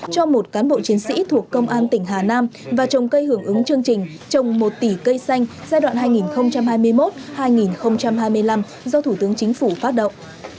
cho một cán bộ chiến sĩ thuộc công an tỉnh hà nam và trồng cây hưởng ứng chương trình trồng một tỷ cây xanh giai đoạn hai nghìn hai mươi một hai nghìn hai mươi năm do thủ tướng chính phủ phát động